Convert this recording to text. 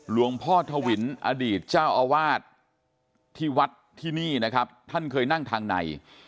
หลวงพ่อทวินอดีตเจ้าอาวาสที่วัดที่นี่นะครับท่านเคยนั่งทางใน